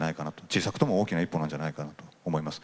小さくとも大きな一歩なんじゃないかなって思います。